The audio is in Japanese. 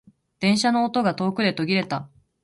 電車の音が遠くで途切れた。